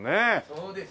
そうです。